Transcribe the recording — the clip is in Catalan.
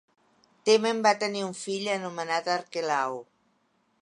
Temen va tenir un fill anomenat Arquelau.